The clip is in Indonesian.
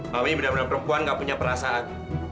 mami benar benar perempuan enggak punya perasaan